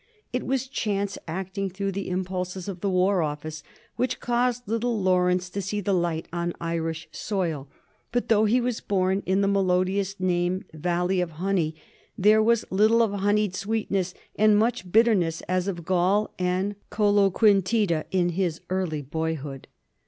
It was chance, acting through the impulses of the War Office, which caused little Laurence to see the light on Irish soil ; but though he was bom in the melo diously.named Valley of Honey, there was little of hon eyed sweetness, and much bitterness as of gall and colo quintida, in his early boyhood.